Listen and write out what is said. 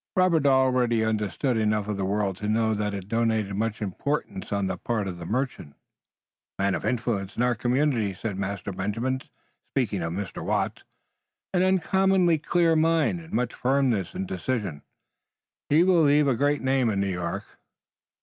Robert already understood enough of the world to know that it denoted much importance on the part of the merchant. "A man of influence in our community," said Master Benjamin, speaking of Mr. Watts. "An uncommonly clear mind and much firmness and decision. He will leave a great name in New York."